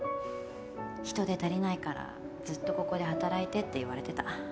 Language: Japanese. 人手足りないからずっとここで働いてって言われてた。